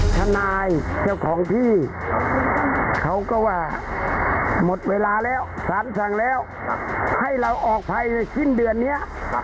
ทนายเจ้าของที่เขาก็ว่าหมดเวลาแล้วสารสั่งแล้วให้เราออกภายในสิ้นเดือนนี้